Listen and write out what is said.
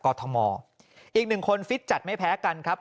กรุงเทพฯมหานครทำไปแล้วนะครับ